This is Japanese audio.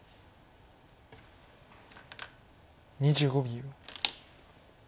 ２５秒。